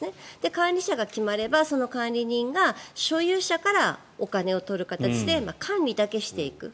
管理者が決まればその管理人が所有者からお金を取る形で管理だけしていく。